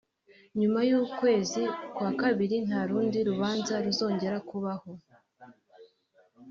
“Nyuma y’uku kwezi kwa Kabiri nta rundi rubanza ruzongera kubaho